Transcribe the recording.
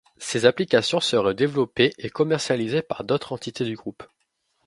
Ces applications seraient développées et commercialisées par d'autres entités du groupe.